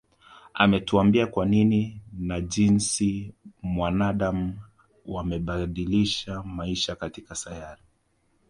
Anatuambia kwa nini na jinsi wanadam wamebadilisha maisha katika sayari